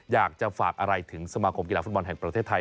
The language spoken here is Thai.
อยากจะฝากอะไรถึงสมาคมกีฬาฟุตบอลแห่งประเทศไทย